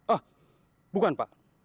oh bukan pak